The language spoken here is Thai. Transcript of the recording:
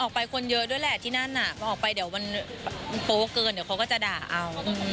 ออกไปคนเยอะด้วยแหละที่นั่นน่ะพอออกไปเดี๋ยวมันโป๊เกินเดี๋ยวเขาก็จะด่าเอา